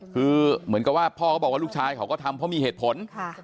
คือเหมือนกับว่าพ่อก็บอกว่าลูกชายเขาก็ทำเพราะมีเหตุผล